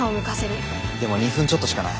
でも２分ちょっとしかない。